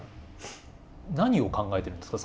何を考えているんですか？